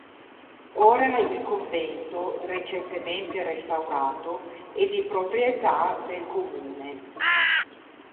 Ora il convento, recentemente restaurato, è di proprietà del comune.